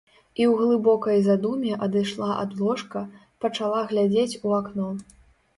І ў глыбокай задуме адышла ад ложка, пачала глядзець у акно.